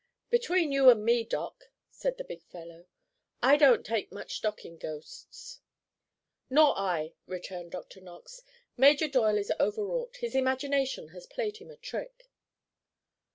"Between you and me, Doc," said the big fellow, "I don't take much stock in ghosts." "Nor I," returned Dr. Knox. "Major Doyle is overwrought. His imagination has played him a trick."